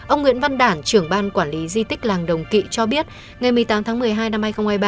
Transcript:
ông nguyễn văn đản trưởng ban quản lý di tích làng đồng kỵ cho biết ngày một mươi tám tháng một mươi hai năm hai nghìn hai mươi ba